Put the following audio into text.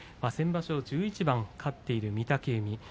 先場所は１１番勝っている御嶽海。